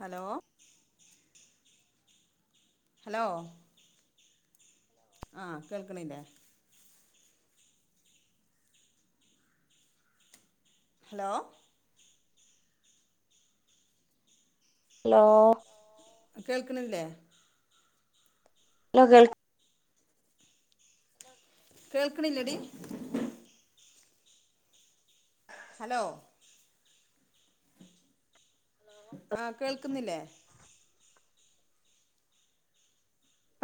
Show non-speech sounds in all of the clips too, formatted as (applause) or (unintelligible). Hello hello ആഹ് കേൾക്കണില്ലേ? Hello hello കേൾക്കണില്ലേ? ലോ കേൾ കേൾക്കണില്ലേടി? ഹലോ ആഹ് കേൾക്കുന്നില്ലേ?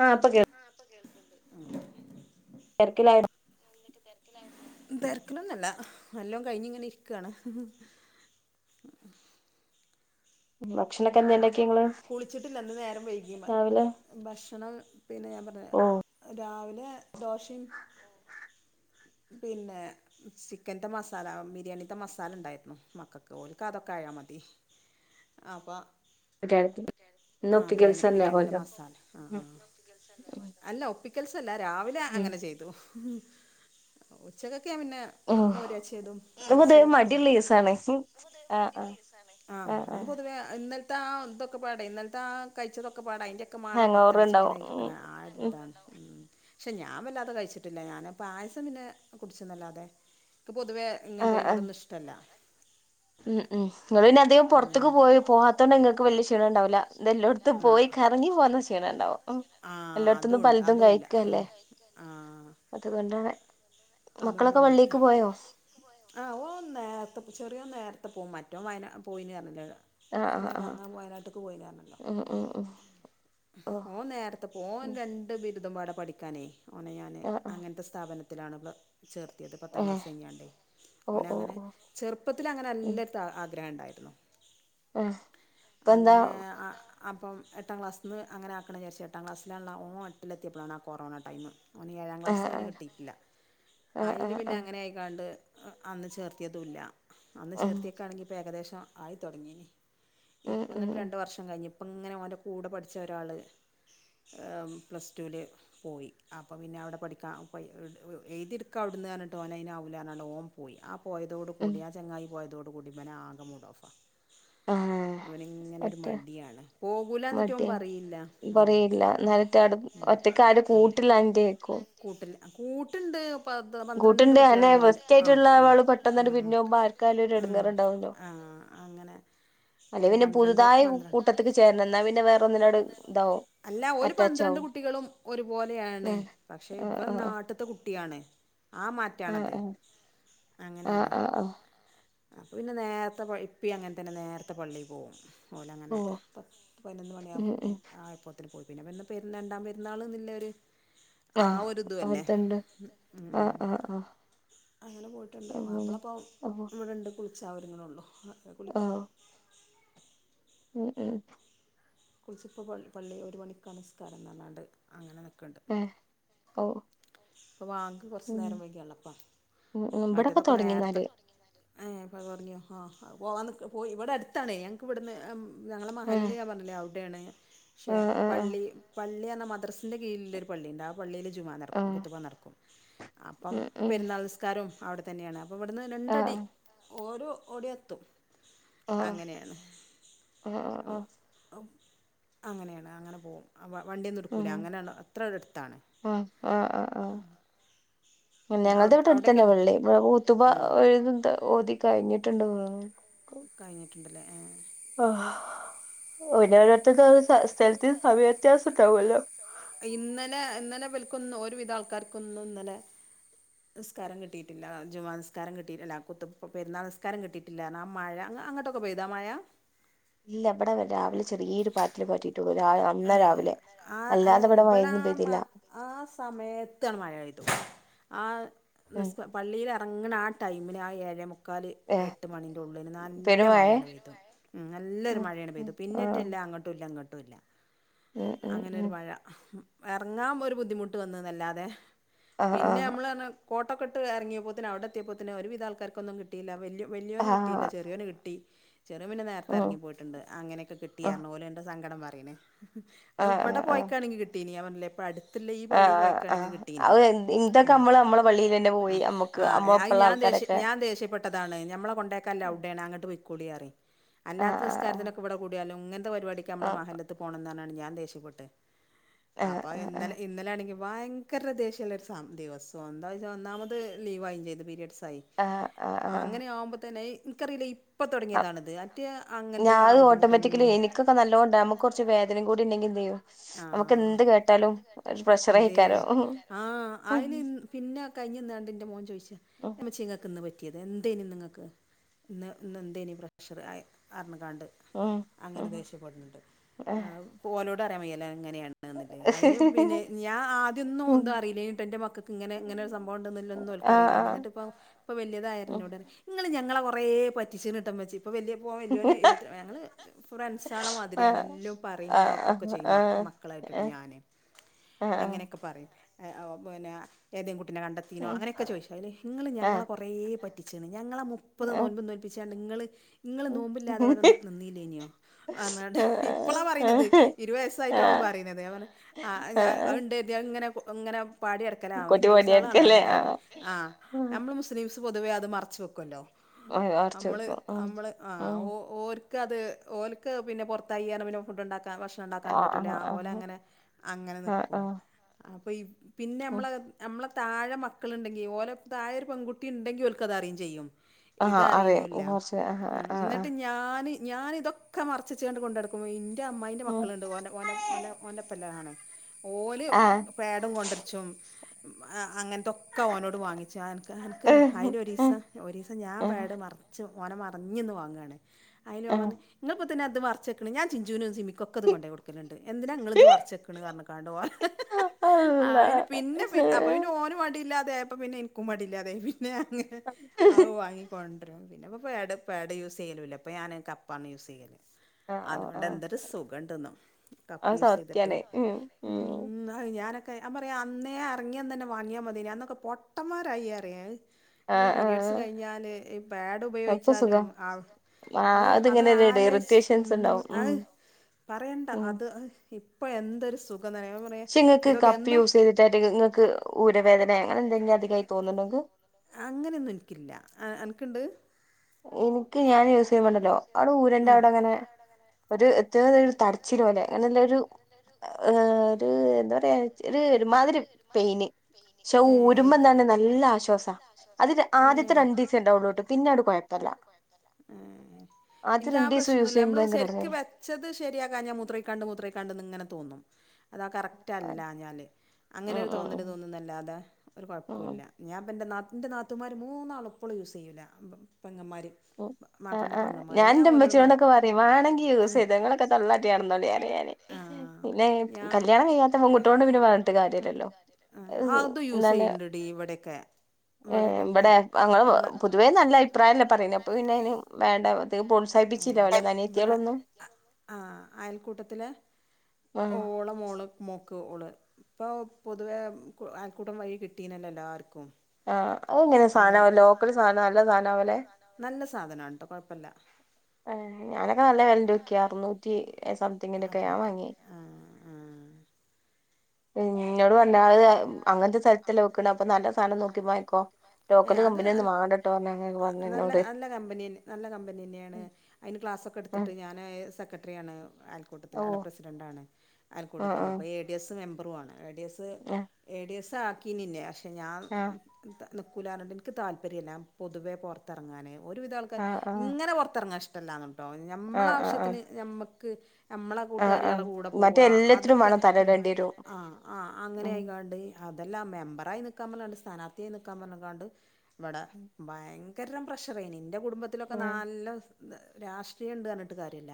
ആഹ ഇപ്പൊ കേ ആ (unintelligible) തെരക്കിലൊന്നല്ല എല്ലാം കഴിഞ്ഞ് ഇങ്ങനെ ഇരിക്കാണ്. (unintelligible) ഉണ്ടാക്കി നിങ്ങള് കുളിച്ചിട്ടില്ലിന്ന് ഇന്ന് നേരം വൈകി രാവിലെ ഭക്ഷണം പിന്നെ ഞാൻ പറഞ്ഞ ഓ രാവിലെ ടെ ദോശയാണ്. പിന്നെ ചിക്കന്റെ മസാല ബിരിയാണീത്തെ മസാല ഉണ്ടായിരുന്നു മക്കൾക്ക് ഓലിക്ക് അതൊക്കെ ആയാൽ മതി അപ്പം അത്താഴത്തി ആഹ് ബിരിയാണി ബിരിയാണിയിലെ മസാല ആഹ് ആഹ് അല്ല ഒ പ്പിക്കൽസല്ല രാവിലെ ഉം അങ്ങനെ ചെയ്തു ഉച്ചക്ക ക്കെപിന്നെ ഓ മോര്കാച്ചിതും ഇന്ന് അറച്ചി പൊതുവേ വരട്ടും മടിയുള്ള ദിവസാണ് ആണ് പൊതുവെ ആ ആ മടിയൊള്ള കേസ് ആണ് ആ ആഹ് ആ ഇന്ന് പൊതുവേ (unintelligible) ഇന്നൽ ത്താ കഴിച്ചതൊക്കെ (unintelligible) അയിന്റെക്കെ മാണാ ഹാങ് ഓവർ ഉണ്ടാവും ഉം മത്തടിച്ചിങ്ങനെരിക്ക്‌ണാ ആ ഉം ഇതാണ് ഉം പക്ഷെ ഞാൻ വല്ലാതെ കഴിച്ചിട്ടില്ല ഞാൻ പായസം പിന്നെ കുടിച്ചന്നല്ലാതെ ഇക്ക്‌ പൊതുവെ ആ ആ ഇങ്ങനത്തെതിനോടൊന്നും ഇഷ്ടല്ല ഉം ഉം. നിങ്ങൾ പിന്നെ അദ്ദേഹം പുറത്തേക്ക് പോയി പോവാത്ത കൊണ്ട് നിങ്ങൾക്ക് വല്യ ക്ഷീണം ഉണ്ടാവില്ല ഇ എല്ലോടത്തും പോയി കറങ്ങി പോകന്ന ക്ഷീണം ഉണ്ടാവും ആ ഉണ്ടാവും. എല്ലായിടത്തൊന്നും അതുണ്ട് പലതും അതുമില്ല ആ കഴിക്കും കഴിക്കല്ലേ പലതും കഴിക്കല്ലേ. അതുകൊണ്ടാണ്. മക്കളൊക്കെ പള്ളിക്ക് പോയോ? ആ ഓ നേരത്തെ ചെറിയ നേരത്തെ പോകും മറ്റോ വയന പോയിന് പറഞ്ഞില്ലേ. ആ ആ ഇങ്ങനെ ആ കറങ്ങാൻ വയനാട്ടക്ക് പോയില്ലണല്ലോ ഉം ഉം ഉം ഓ ഓന് നേരത്തെ ഉം പോകും രണ്ട് നും പാടെ പഠിക്കാനേ ഓനെ ഞാന് ആഹ് അങ്ങനത്തെ സ്ഥാപന ത്തിലാണുള്ള ചേർത്തിയത് പത്താം ആഹ് ഏഹ് ക്ലാസ്സ്‌ കഴിഞ്ഞാണ്ടെ ഓ ഓന് ഓ അങ്ങനെ ഓ ചെറുപ്പത്തിൽ നല്ല ത ആഗ്രഹം ണ്ടായിനി. എ ഇപ്പന്താ? അങ്ങനെ അപ്പം എട്ടാം ക്ലാസ്സിൽന്ന് അങ്ങനെ ആക്കണംന്ന് വിചാരിച് എട്ടാം ക്ലാസിലുള്ള ഓ എട്ടിലെത്തിയപ്പോഴാണ് ആ കൊറോണ ടൈമ് ഏഴാം ക്ലാസ്സ് ആഹ് ഓന് ആഹ് കിട്ടിയിട്ടില്ല. ആഹ് അയില് ആഹ് പിന്നെ ആഹ് അങ്ങനെ ആയിക്കാണ്ട് ണ്ട് അന്ന് ചേർത്തിയതുല്ല അന്ന് ഉം ചേർത്തിയൊക്കാണെങ്കിലിപ്പോ ഏകദേശം ആയി തുടങ്ങിനി. ഉം ഉം ഇപ്പന്നട്ട് രണ്ട് വർഷം കഴിഞ്ഞ ഇങ്ങനെ ഓന്റെ കൂടെ പഠിച്ച ഒരാൾ പ്ലസ് ടുവിൽ പോയി അപ്പം പിന്നെ അവിടെ പഠിക്കാൻ കഴി എഴുതി. (unintelligible) ഓന് അയിനാവൂല പറഞ്ഞു ഓൻ പോയി. പോയതോടു ഉം കൂടി ആ ചങ്ങായി പോയതോട് കൂടി ഇബനാകെ മൂഡ് ഓഫാ ആഹ് ഇവനിങ്ങനെൊരു ഒറ്റ മടിയാണ് പോകൂല എന്നെറ്റെ ഓന് മടിയാ പറയുല്ല കൊറേയില്ല അപ്പം നേരത്തെടെ ഒറ്റക്ക് ആരെ കൂട്ടില്ലാഞ്ഞിട്ടേക്കും കൂട്ടുണ്ട് പന്ത്രണ്ട് കൂട്ടുണ്ട് അന്നെ കുട്ടികളുണ്ടോൻറെ ഫസ്റ്റ് ആ ആയിട്ടുള്ള ആള് പെട്ടെന്നങ്ങട് പിരിഞ്ഞു പോകുമ്പോ ആർക്കായാലും ഒരു എടങ്ങേറുണ്ടാവല്ലോ ആ അങ്ങനെ അല്ലെ ഒരു പിന്നെ പന്ത്രണ്ട് പുതുതായി കൂട്ടത്ത്ക്ക് ചേരണം എന്നാ പിന്നെ വേറൊന്നിനോട് ഇതാവും അല്ല അറ്റാച്ച് പന്ത്രണ്ട് ആവും കുട്ടികളും ഒരുപോലെയാണ് ആഹ് പക്ഷെ ആഹ് ഇവൻ ആഹ് നാട്ട്ത്തെ കുട്ടി കുട്ടിയാണ് ആ ആഹ് മാറ്റാണത് ആഹ് ആഹ് അങ്ങനെയാണ് ആഹ് ആഹ് അപ്പം പിന്നെ നേരത്തെ ഇപ്പി അങ്ങനെ തന്നെ നേരത്തെ പള്ളിയിൽ പോകും പോലെ ഓ അങ്ങനെ പത് പതിനൊന്ന് മണിയ ഉം ഉം ആയപ്പത്തിൽ പോയി പിന്നെ പെ രണ്ടാ പെരുന്നാള് നില്ലൊരു ആ ആഹ് ഒരിതു അല്ലേ ഓർത്തുണ്ട് ഉ ആഹ് ആഹ് ആഹ് അങ്ങനെ പോയിട്ടുണ്ട് അങ്ങനെ മാപ്പിള പോം അപ്പൊ ഇവിടെണ്ട് കുളിച്ചാ ഒരുങ്ങുനൊള്ളു (inaudible) ആഹ് ഉം ഉ കുളിച്ചിപ്പോൾ പള്ളി ഒരു മണിക്കാ നിസ്കാരം ന്നാണ്ട് അങ്ങനെക്ക ഏഹ് ഓ അ വാങ്ക് കൊർച്ച ഉം നേരം വൈകിയാണല്ലോപ്പം ഉം ഉം ഇബടൊക്കെ മറ്റതൊക്കെ നേരത്തെ തൊടങ്ങിന്നാല് അ ആ പോവാ ഇവിടെ അടുത്താണേ ഞങ്ങക്ക് ഇവിടുന്ന് ഞങ്ങളെ ഏഹ് മഹല്ല് പറഞ്ഞില്ലേ അവിടെണ് ആഹ് ആഹ് പള്ളി പള്ളി മദ്രസിന്റെ കീഴിലൊരു പള്ളിയുണ്ട് ആ പള്ളീല് ജുമാ ആഹ് കുത്തുബ നടക്കും അപ്പം ആഹ് ഉം ഉം പെരുന്നാൾ നിസ്കാരും അവിടെ തന്നെയാണ് ഇവ്ടുന്ന് രണ്ടടി ആഹ് ആഹ് ഓരു ഓടിയെത്തും ആഹ് അങ്ങനെയാണ് ആഹ് ഔ ആഹ് ഔ അങ്ങനെയാണ് അങ്ങനെ പോവും വ വണ്ടിയൊന്നും എടുക്കൂല ഉം അങ്ങനാ ണ്‌ അത്ര ഒരടുത്താണ് ആ ആ ഞങ്ങള്ടെ അവി വീടിന്റെടുത്ത തന്നാ അവിടെക്കല്ലേ പള്ളി ഖുത്തുബ എഴുന്ന ഓതി കഴിഞ്ഞിട്ടുണ്ട് കഴിഞ്ഞിട്ട്ണ്ട് ഏ ആഹ ഓയ് ഉണ്ടാവുമല്ലോ ഇന്നലെ ന്നലെ ഇവൽക്ക് ക്കൊന്ന് ഒരുവിധ ആൾക്കാർക്കൊന്നും ന്നലെ നിസ്കാരം കിട്ടിയിട്ടില്ല ജുമാ നിസ്കാരം കിട്ടിട്ടില്ല കുത്തു പെരുന്നാൾ നിസ്കാരം കിട്ടിട്ടില്ലാ ആ മഴ അങ്ങൊട്ടൊക്കെ പെയ്തോ ആ മഴ ഇല്ല ഇവിടെ രാവിലെ ചെറിയൊരു പാറ്റില് പാറ്റിയിട്ടുള്ളൂ രാ- അന്ന ഏ രാവിലെ ആ ഏ അല്ലാതെ ഇവിടെ ഇബടെ ആ മഴയൊന്നും മ പെയ്തില്ല ആ സമയത്ത് ആന്ന് മഴയ്തു ആ ഉം നിസ്ത്വ പള്ളിലെറ അങ്ങനെ ആ ടൈമില് ആ ഏഴേമു ക്കാല് ഏഹ് എട്ട് മണിൻ്റെ ഉള്ളില് നല്ല പെരുമഴേ മഴയാണ് പെയ്തു മ് ഉം നല്ലൊരു മഴയാണ് ഉം പെയ്തു ആഹ് പിന്നറ്റല്ല അങ്ങോട്ടുല്ല ഇങ്ങോ ട്ടുല്ല ഉം ഉം അങ്ങനൊരു ഉം മഴ എറങ്ങാമ്പോ ഒരു ബുദ്ധിമുട്ട് വന്ന്ന്നല്ലാതെ ആഹ് പിന്നെ ആഹ് നമ്മള് ർണാ കോട്ടൊക്കെട്ട് എറങ്ങിയേപ്പോത്തിന് അവിടെ എത്തിയപ്പോത്തിന് ഒരുവിധ ആൾക്കാർക്കൊന്നും കിട്ടീല്ല വലിയ വലിയോന് കിട്ടിയില്ല ആഹ് ചെറിയോന് കിട്ടി ചെറിയോൻ പിന്നെ നേരത്തേ ഉം എറങ്ങിപ്പോയിട്ടുണ്ട് അങ്ങനെക്കെ കിട്ടി ആഹ് പർഞ്ഞു ഓലെന്റെ സങ്ക ങ്കടം പറി ണ് അത് ആഹ് ഇബടെ ആഹ് പോയക്കാണെങ്കി കിട്ടീനി ഞാൻ പർ ഇല്ല ഇപ്പടു അതല്ല ഈ ആഹ് പള്ളി ആഹ് പോയിട്ടാണെങ്കി ആഹ് ത്ത്ല്ല ഈ പള്ളി അത് എന്ത് ഇതൊക്കെ നമ്മള് പോയക്കാണെങ്കി നമ്മളെ കിട്ടീനി പള്ളിയിലെന്നെ പോയി അമ്മക്ക് ആ അഅ് അമ്മളൊപ്പള്ള ഞാൻ ദേഷ്യ ആൾക്കാരൊക്കെ ഞാൻ ദേഷ്യപ്പെട്ടതാണ് ഞമ്മളെ കൊണ്ടയാക്കാല്ലെ അവ്ടെയാണ് അങ്ങട്ട് പൊയ് കൂടിയാറി അല്ലാത്ത ആഹ് ആഹ് നിസ്കാരത്തിനൊക്കെ ഇവിടെ കൂടിയാലും ത്തെ പരിപാടിക്ക് നമ്മളെ ആഹ് മഹല്ലത്ത് (unintelligible) നർഞ്ഞാണ്ട് ഞാൻ ദേഷ്യപ്പെട്ട് ആഹ് അപ്പൊ ആഹ് ഇന്നല ആഹ് ഇന്നലൊണെങ്കി ഭയങ്കര ദേഷ്യയുള്ള ഒരു ദിവസം എന്താച്ച ഒന്നാമത് ലീവായിം ചെയ്ത് പിര്യേഡ്സ് ആയി ആഹ് ആഹ് അങ്ങനെ ആവുമ്പ തന്നെ ഇൻക്കറിലേ ഇ ഞാന് ഓട്ടോമാറ്റിക്കലി എനിക്കൊക്കെ നല്ലോണം ഇണ്ടാവും നമ്മൊകൊർച്ച് വേ ആഹ് കേട്ടാലും ഒരു ദേ പ്രഷറേക്കാരം ഉം ആ അയിലെ ഉം പിന്നെ കഴിഞ്ഞന്നാണ്ട്ന്റെ മോൻ ചോയിച്ച ല്ലഉമ്മചി ഇങ്ങക് ഇന്ന് പറ്റ്യത് എന്തേനി ഇന്ന് ഇങ്ങക്ക് ഇന്ന് ഇന്ന് എന്ത്യേ നി പ്രഷർ ഐ അർന് കാണ്ട് ഉം അങ്ങനെ ദേഷ്യപ്പെടുന്നുണ്ട് പോ ഓലോടറിയാൻവയ്യലേ അങ്ങനെ ആണ്ന്ന്ലേ അയില് പിന്നെ ഞാൻ ആദ്യൊന്നും ഇത് അറലേനിട്ടൊ ഇന്റെ മക്കൾക്ക് ഇങ്ങനെ ഇങ്ങനെ ഒര് സംഭവം ണ്ട് ന്ല്ലതൊന്നും ഓൽക് ആഹ് ആഹ് അറീല്ലേനി ആഹ് എന്നിട്ട് ഇപ്പം ഇപ വല്യതായേരെ ഉം ഇന്നോടറിം ഇങ്ങള് ഞങ്ങളെ കൊറേ പറ്റിച്ച്ണട്ടൊ ഉമ്മച്ചി ഇപ്പോൾ വലിയ പോകൻ വലിയവന് ഇരുപ ഞങ്ങൾ ഫ്രണ്ട്സാള ആഹ് മാതിരിയണെല്ലോ പറയും ന്താക്കൊക്കെ ആഹ് ചെയ്യും മക്കളായിട്ടിട്ട് ആഹ് ഞാന് ആഹ് ആഹ് ആഹ് എങ്ങനെയൊക്കെ പറയും ഓ.. പിന്നെ ഏതെം കു... പിന്നെ കണ്ടെത്തിനോ ഉം അങ്ങനെയൊക്കെ ചോദിച്ചു അയില് നിങ്ങള് ആഹ് ഞങ്ങളെറേ പറ്റി ചേന് ഞങ്ങളെ മുപ്പത് ആഹ് നോൽപും നോൽപ്പി ച്ച നിങ്ങള് നിങ്ങൾ ഉം നോമ്പില്ലാതെ അവിടെ നിന്നിയില്ലേനൊ ആഹ് (unintelligible) ഇപ്പളാ പറയുന്നത് ആഹ് ഇരുപത് വയസ്സായിട്ട് അവൻ ആഹ് പറയുന്നത് അവ ആഹ് ഉണ്ട് ഞ ഇങ്ങനെ ഇങ്ങനെ പാടിടക്കലാവും കുട്ടി ഹിന്ദുസാണ് പണിയെടുക്കല്ലേ അങ്ങനെ ആലും ആഹ് ആ ആഹ് നമ്മള് മുസ്ലിം പൊ തുവ അത് മറച്ച് വെക്കുമല്ലോ ആഹ് ഒറച്ച് നമ്മള് വെക്കും ഉം നമ്മള് ആ ഉം ഓ ഓ ത് അത് ഓല ക്ക്‌ പിന്നെ പുറത്തയ്യ അപ്പ പിന്നെ ഫുഡ് ഉണ്ടാക്കു ഭക്ഷണം ഉണ്ടാക്കാനും പറ്റു ല ആഹ് ഓ ലെ ആഹ് ആഹ് അങ്ങനെ അങ്ങനെ ആഹ് നൽക്കും ആഹ് പൈഫ് പിന്നെ ഉം നമ്മളെ നമ്മളെ താഴെ മക്കളുണ്ടെങ്കിൽ ഓലെ താഴെ പെൺകുട്ടി ഉണ്ടെങ്കിൽ ഓൾക്ക് അത അറിയയും ചെയ്യും ആഹ് അറിയാം ഇതറിയനോല്ല കൊറച്ച് ആഹ് ഉം ആഹ് എന്നിട്ട് ആഹ് ഞാന് ഞാന് ഇതൊക്കെ മറ ച്ചുവച്ചോണ്ട് കൊണ്ട് നട പോയിനി എൻ്റെ അമ്മയിൻ്റെ ഉം മക്കളുണ്ട് ഓന ഓന ഓലൻ ഒ ലൻപ്പല്ലണാണ് ഓല് ആഹ് പേടം കൊണ്ടിരിച്ചും ആ.. അങ്ങനെ ഇതൊക്കെ ഓനോട് വാങ്ങിച്ച എനിക്ക് അതിലൊ ഒരു ദീസം ഒരു ദിവസം ഞാൻ ആഹ് പെടു മറച്ച് ഓനമറിഞ്ഞിന്ന് വാങ്ങയണ ആയില്ല മ ന്ന് നിങ്ങളുപ് ഇതിനകത്ത് വർച് കിണ് ഞൻ ചിഞ്ചുനും സിമി ക്കക്കെത് കൊണ്ട ആഹ് കൊടുക്കണ്ട് എന്തിന ഞങ്ങള ഇത് വറച്ചെക്ക കാരണം കാണ്ടു പോവാൻ ഹ... ഹ.. ആ അള്ളാ അന് പിന്നെ അപ്പൊ ഇന് ഓനും വടിയില്ലാത്ത അതായപ്പ പിന്നെനിക്കും മടില്ലാതെയിപോയി പി ആ വങ്ങിക്കണ്ട പിന്നെപ്പ പേട് പേട് യൂസ് ചെയ്യലൂ ഇപ്പൊ ഞാന് കപ്പാണ് യൂസ് ചെയ്യല് ആ ആ ആ അതുകൊണ്ട് എന്തൊരു സുഖംണ്ടന്ന അത് കപ്പ് യൂസ് ചെയ്തിട്ട് സത്യാണ് ഉം ഉ ഉം ഞാനൊ ക്കെ ഞാൻപറയാ അന്നേ ഇറങ്ങിയ അന്നെനെ വാങ്ങിയാൽ മതി അന്നൊക്കെ പൊട്ടമാരായി പറിയ ആ ആ പീരയഡ്സ് കഴിഞ്ഞാല് പാഡ് അപ്പൊ സുഖാ ഉപയോഗിച്ചാലും ആ ആ അത് അത് അതിങ്ങനെ ഒരു ആലോച്ച് ഉം ഇറിറ്റേഷൻസ് ഉണ്ടാവും ഉം അയ്. പറയണ്ട ഉം അത് ഇപ്പം ന്തര് സുഖ പക്ഷെ നിങ്ങൾക്ക് കപ്പ് യൂസ് ചെയ്തിട്ടായിട്ട് നിങ്ങൾക്ക് ഊരവേദനങ്ങെ അങ്ങനെ എന്തെങ്കില അതികായി തോന്നണ്ടേ ഇങ്ങക്ക് അങ്ങനെയൊന്നും എനിക്കില്ല അനക്ക്ണ്ട് എനിക്ക് ഞാൻ യൂസിയ്യുമ്പണ്ടലോ അവ്ടെ ഊരന്റെ അവടെങ്ങനെ ഒരു (unintelligible) ഇച്ചിരി പോലെ അങ്ങനെല്ല ഒരു ഏഹ് ഒരു എന്താ പറയാ ഒര് ഒരുമാതിരി പെയിന്. പക്ഷേ ഊരുമ്പന്താണ് നല്ല ആശ്വാസാ, അത് ഒ ആദ്യത്തെ രണ്ടീസേ ഇണ്ടാവൊള്ളുട്ടൊ പിന്നങ്ങട്ട് കൊഴപ്പ ഏഹ്, ആദ്യത്തെ എനിക്ക് ആ രണ്ടീസം യൂസ് പ്രശ്നൊന്നുള്ള, ചെയ്യുമ്പോ നമ്മള് ഭയങ്കര ശെരിക്ക് എടങ്ങേറാ വെച്ചത് ശരിയാക്കാഞ്ഞാൽ മൂത്രൊഴിക്കാണ്ട് മൂത്രൊഴിക്കാണ്ടിങ്ങനെ മുദ്രക്കാണ്ടങ്ങനത്തെ തോന്നും അതാ കറക്റ്റ്ല്ലാഞ്ഞാല്ല് അങ്ങനെ ഉം ഒരു ഉം തോന്നല് തോന്നുന്നല്ല അല്ലാ ആഹ് ഒരു ഉം കൊഴപ്പുല്ല ഞാൻ അപ്പ എൻ്റെ നാത്തൂന്റെ നാത്തൂമാര് മൂന്നാളും ഇപ്പളും യൂസെയ്യുല്ല, പെങ്ങന്മാര് ഉം, ആഹ്, മാപ്പളന്റെ ആഹ് പെങ്ങന്മാര് ഞാൻ ഇൻ്റെ ഓലോട് പറയും ഇമ്മച്ചിനൊടൊക്കെ പറിം, വേണെങ്കി യൂസ് ചെയ്തൊ ഇങ്ങളൊക്കെ തൊള്ളട്ടി നടന്നൊളി പറയും ഞാന്. പിന്നെ ഞാന് കല്യാണം കഴിയാത്ത പൺകുട്ടിയോട് പിന്നെ പറഞ്ഞിട്ട് കാര്യല്ലല്ലോ ഉം ആ അതും യൂസ് എന്താണ്, ചെയ്യ്ണ്ട്ടി ഇവിടെയൊക്കെ ഏഹ് ഇവിടെയൊക്കെ ഇന്റെ ഇവിടെ അങ്ങനെ ഞങ്ങളെ പൊതുവേ നല്ല അഭിപ്രായന്നെ പറയ്നെ (inaudible) വേ ആം ഇവിടെ ആഹ അയൽക്കൂട്ടത്തില് ആഹ് ഓളെ മോളും മോ ക്ക് ഓള്, ഇപ്പം പൊതുവെ അയൽക്കൂട്ടം വഴി കിട്ടീനല്ലോ എല്ലാവർക്കും ആഹ് അതെങ്ങനെ സാധനാ ലോക്കല് സാധനാ നല്ല സാധനാവലെ സാധനമാണ്ട്ടൊ കൊഴപ്പല്ല. എഹ്, ഞാനൊക്ക നല്ല വെല്ലെന്റെ നോക്കി അറുന്നൂറ്റി സംതിങ്ങിന്റെ ഒക്കെ ഞാൻ അറുന്നൂറ്റി വാങ്ങിയെ ആഹ് മ് വെക്കണെ അപ്പൊ നല്ല സാധനം നോക്കി വാങ്ങിക്കോ ഇ ലോക്കല് അത് കമ്പനി ഒന്നും വാങ്ങണ്ടട്ടോ പറഞ്ഞ് അങ്ങനെയൊക്കെ പറഞ്ഞ് നല്ല എന്നോട് നല്ല കമ്പനി നല്ല കമ്പനി തന്നെയാണ് അതിന് ക്ലാസൊക്കെ ഉം എടുത്തിട്ട് ഞാന് സെക് ത്രയാണ്. അയൽക്കൂട്ടത്തിൽ ഓ അല്ല പ്രസിഡൻ്റാണ് ആ ആ അയൽക്കൂട്ടത്തിന്റെ അപ്പൊ എ ഡി എസ് ഉം എം കുറവാണ്. എ ഡി എസ് ആ എ ഡി എസ് ക്കാക്കീനില്ല ഞാൻ ആ ത നിക്കൂലാന്ന്പറഞ്ഞിട്ട് ഇന്ക് താല്പര്യല്ല പൊതുവേ പൊറത്തിറങ്ങാന്. ഓരുവിധ ആൾക്കർ ആ ആ ഇങ്ങനെ പുറത്തിറങ്ങാൻ ഇഷ് ണ്ടാവണം കേട്ടോ ആ ആ ഞമ്മളാവശ്യത്തിന് നമ്മക്ക് ക്ക് നമ്മളെ ആ ആ ആ കൂട്ടുകാരികളെ കൂടെ മറ്റേ പോവാ എല്ലാത്തിനും അതൊക്കെ വേണം ആഹ് തലയിടേണ്ടി വരും ആഹ് ആഹ് അങ്ങനെ ഉം ആയ്ങ്ങാണ്ട് അതെല്ലാ മെമ്പ റായി നിക്കാൻ പറഞ്ഞ്ങ്ങാണ്ട്സ്ഥാനാർഥിയായി നിക്കാൻ പർഞ്ഞ്ക്കാണ്ട്. ഇവടെ ഉം ഭയങ് ങ്കരം പ്രഷറേനി ഇൻ്റെ കുടുംബത്തിലൊക്കെ ഉം നല്ല ത് രാഷ്ട്രീയണ്ട് അർഞ്ഞ്ട്ട് കാര്യല്ല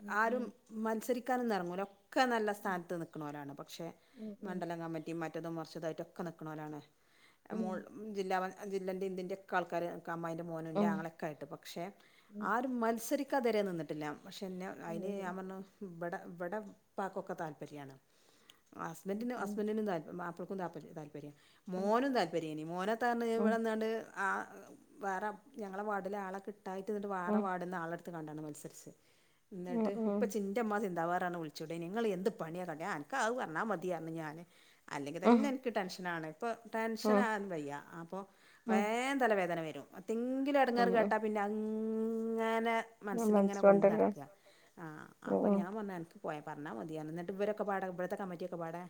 ഉം ആരും മത്സരി ക്കാനൊന്നെർങ്ങൂല ക്കെ നല്ല സ്ഥാനത്ത് നിക്ക്ണോലാണ്. പക്ഷേ ഉം ഉം ങ്ങാൻ മറ്റി മറ്റതും മർച്ചതു ആയിട്ടൊക്കെ നിക്ക്ണോലാണ്. ഉം മോൾ ജില്ലാ പ ജില്ലൻ്റെ ഇന്ത്യൻ്റൊക്കെ ആൾക്കാര് അമ്മായിന്റെ മോനും ഇൻ്റ ഉം ആങ്ങളൊക്കെ ആയിട്ട് പക്ഷെ ഉം ആരും മൽസരി ഇക്കതരെ നിന്നിട്ടില്ല. പക്ഷേ ഇന്നെ അയ്ല് ഞാൻ ഉം പർഞ്ഞു ഇബടെ ഇവിടെ ഇപ്പാക്കൊക്കെ താല്പര്യാണ്. അ ഇവടെ ഉം ഹസ്ബന്റിനും താ മാപ്പള താപ്പര്യ മോനും താല്പര്യനി മോനന്താ ഉം ഉം ഇവടന്ന്ക്കാണ്ട് ആ വേറെ ഞങ്ങളെ വാർഡില് ആളെ കിട്ട കിട്ടാഞ്ഞിട്ട് വേറെ ഉം വാർഡ്ന്ന് ആളെട്ത്ത് ത്ത് കണ്ടാണ് മത്സരിച്ചത്. ഉം ഉം ഉം എന്നിട്ട് ഉം ഇപ്പച്ച് ൻ്റമ്മ സിന്താവാ വിളിച്ചുടെരയ്ന്നോ. നിങ്ങ്ങള് എന്ത് പണിയ കാട്ടിയേത്. അ അൻക്ക് അത് പർഞ്ഞാ മതി. യർഞ് ഞാന് അല്ലെങ്കിൽ തന്നെ ഇൻക്ക് ടെൻഷനാണ്. ഇപ്പ ഉം ടെൻഷനാകൻ വയ്യ അപ്പോ ഉം വേം തല വേദന വരും. ന്തെങ്കിലും എടങ്ങെറ് കേട്ടാ പിന്നെ അ ഉം ഞാനാ മനസില്ങ്ങനെ കൊണ്ട് മനസ്സിലോണ്ടല്ലോ നട്ക്ക ആ അപ്പൊ ഉം ഞാൻ പർഞ്ഞ് അനക്ക് പോയിപറഞ്ഞാ മതിയാർഞ്ഞു. ന്നിട്ട് ഇവരൊക്കെപാടെ ഇവിടത്തെ കമ്മറ്റി ഒക്കെ പാടെ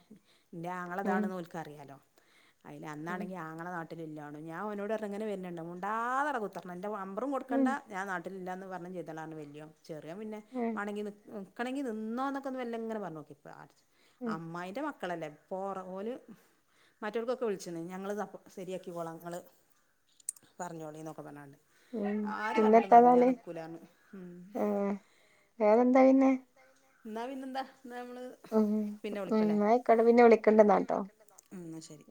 ഇന്റെ ഉം ആങ്ങളതാണെന്ന് ഓൽക്കറിയാലോ അയില് ഉം അന്നാണെങ്കി ആങ്ങള നാ ട്ട്ലില്ലാണും ഞാൻ ഓനോട് പറഞ്ഞ് ഇങ്ങനെ വര്ണ്ണ്ട് മുണ്ടാതെ അവിടെകുത്തർന്നോ ന്റെ നമ്പറും ഉം കൊടുക്കണ്ടാ ഞാൻ നാട്ടിലില്ലാന്ന് പറഞ്ഞും ചെയ്തളാന്ന് പറഞ്ഞു വല്യോൻ ചെറിയാൻ പിന്നെ ഉം മാണങ്കി നി നിക്കണങ്കി നിന്നോന്നക്കെ വല്ലങ്ങനെ പറഞ്ഞോക്കി ഉം ഉം അമ്മായിന്റെ മക്ക മക്കളല്ലേ പ്പോറ ഓല് മറ്റോ ൽക്കൊക്കെ വിളിച്ചിണ് ഞങ്ങൾ ശരിയാക്കി കോള ഇങ്ങൾ പറഞ്ഞോളീ ന്നൊക്കെ പറഞ്ഞാണ്ട് ഉം ആര് പിന്നെ പറഞ്ഞിട്ടും കാര്യമില്ല ഞാൻ എത്താന്നാല് നിൽക്കൂലാന്ന് ഏ വറെ എന്താ പിന്നെ ഇന്നാ പിന്നന്താ അ അ ന്നാ ആയികോട്ടെ പിന്നെ വിളിക്കണ്ട് ന്നാ ട്ടോ എന്നാ ശരി